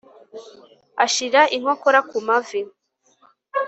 Ashira inkokora ku mavi